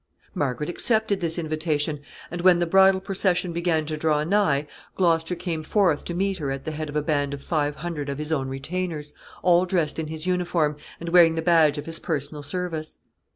Margaret accepted this invitation, and when the bridal procession began to draw nigh, Gloucester came forth to meet her at the head of a band of five hundred of his own retainers, all dressed in his uniform, and wearing the badge of his personal service.